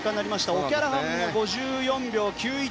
オキャラハンも５４秒９１。